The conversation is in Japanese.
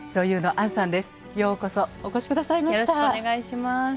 よろしくお願いします。